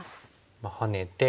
まあハネて。